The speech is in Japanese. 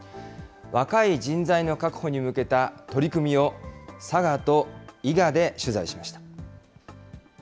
若い人材の確保に向けた取り組みを、佐賀と伊賀で取材しました。